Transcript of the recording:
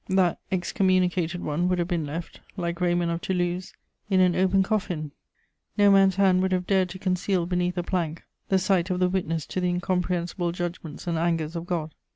That "excommunicated one" would have been left, like Raymond of Toulouse, in an open coffin; no man's hand would have dared to conceal beneath a plank the sight of the witness to the incomprehensible judgments and angers of God.